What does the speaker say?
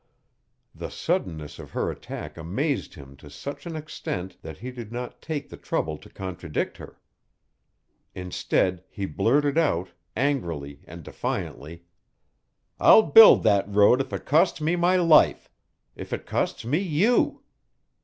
The suddenness of her attack amazed him to such an extent that he did not take the trouble to contradict her. Instead he blurted out, angrily and defiantly: "I'll build that road if it costs me my life if it costs me you.